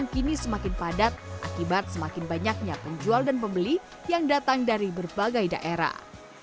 kini semakin padat akibat semakin banyaknya penjual dan pembeli yang datang dari berbagai daerah